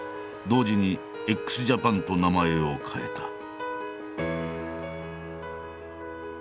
同時に「ＸＪＡＰＡＮ」と名前を変えた。